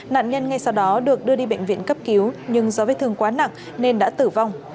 nạn nhân ngay sau đó được đưa đi bệnh viện cấp cứu nhưng do vết thương quá nặng nên đã tử vong